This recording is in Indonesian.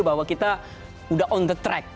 bahwa kita sudah on the track